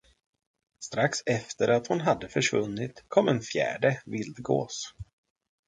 Strax efter att hon hade försvunnit, kom en fjärde vildgås.